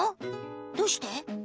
どうして？